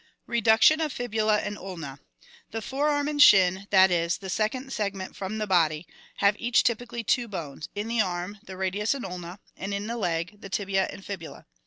Redaction of Fibula and Ulna. — The fore arm and shin, that is, the second segment from the body, have each typically two bones: in the arm, the radius and ulna, and in the leg, the tibia and fibula.